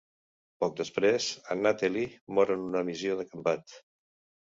Poc després, en Nately mor en una missió de combat.